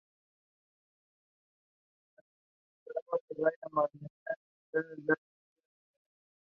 La telenovela combinaba toques clásicos de melodrama acompañados de comedia.